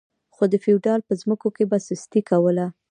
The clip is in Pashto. خو د فیوډال په ځمکو کې به یې سستي کوله.